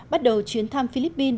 bắt đầu chuyến thăm philippines